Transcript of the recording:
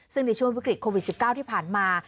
ซึ่งในช่วงวิกฤตโควิด๑๙ที่ผ่านมา